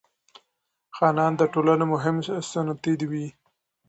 خانان د ټولنې مهم ستنې وې.